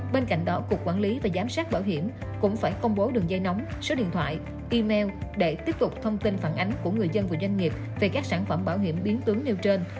bên cạnh đó cục quản lý và giám sát bảo hiểm cũng phải công bố đường dây nóng số điện thoại email để tiếp tục thông tin phản ánh của người dân và doanh nghiệp về các sản phẩm bảo hiểm biến tướng nêu trên